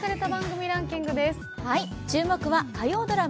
注目は火曜ドラマ